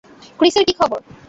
ক্রিসের কী খবর?